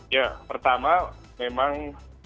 ya pertama memang